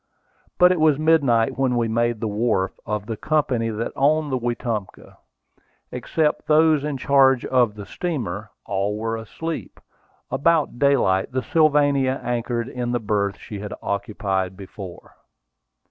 But it was midnight when we made the wharf of the company that owned the Wetumpka. Except those in charge of the steamer, all were asleep. About daylight, the Sylvania anchored in the berth she had occupied before.